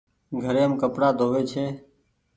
گهريم ڪپڙآ ڌو وي ڇي ۔